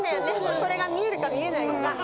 これが見えるか見えないかが。